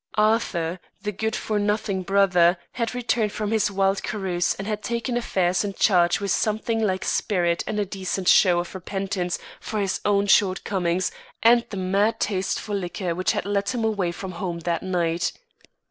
Arthur, the good for nothing brother, had returned from his wild carouse and had taken affairs in charge with something like spirit and a decent show of repentance for his own shortcomings and the mad taste for liquor which had led him away from home that night.